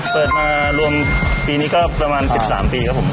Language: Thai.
เปิดมารวมปีนี้ก็ประมาณ๑๓ปีครับผม